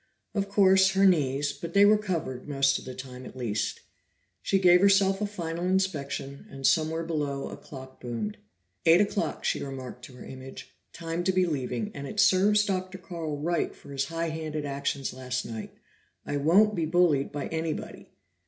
Of course, her knees but they were covered; most of the time, at least. She gave herself a final inspection, and somewhere below a clock boomed. "Eight o'clock," she remarked to her image; "Time to be leaving, and it serves Dr. Carl right for his high handed actions last night. I won't be bullied by anybody."